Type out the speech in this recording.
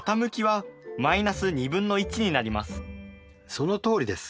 そのとおりです。